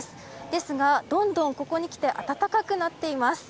ですが、どんどんここに来て暖かくなっています。